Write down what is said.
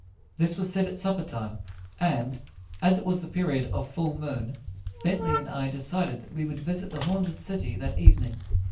This was said at supper time, and, as it was the period of full moon, Bentley and I decided that we would visit the haunted city that evening.